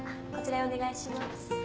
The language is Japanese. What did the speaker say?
こちらへお願いします。